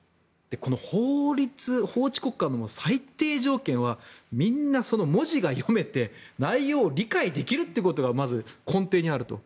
この法律、法治国家の最低上限はみんな文字が読めて内容を理解できることがまず根底にあると。